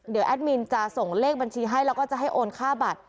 เดี๋ยวแอดมินจะส่งเลขบัญชีให้แล้วก็จะให้โอนค่าบัตร